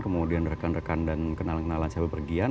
kemudian rekan rekan dan kenalan kenalan saya berpergian